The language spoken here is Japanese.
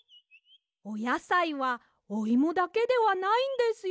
おやさいはおイモだけではないんですよ。